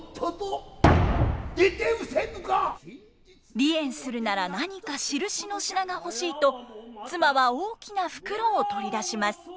離縁するなら何かしるしの品が欲しいと妻は大きな袋を取り出します。